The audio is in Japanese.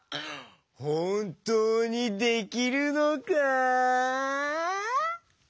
ほんとうにできるのか？